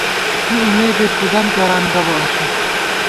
کی امېدے پُدم کېران گہ بہ اسُو